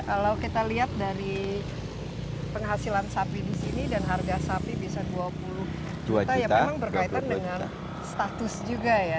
kalau kita lihat dari penghasilan sapi di sini dan harga sapi bisa dua puluh juta ya memang berkaitan dengan status juga ya